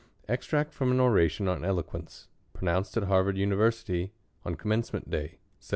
Extract from an Oration on Eloquence, pronounced at harvard university, on com MENCEMENT Day, 1784.